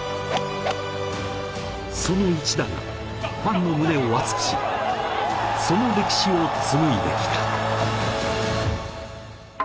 その一打がファンの胸を熱くし、その歴史を紡いできた。